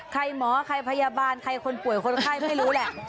หมอใครพยาบาลใครคนป่วยคนไข้ไม่รู้แหละ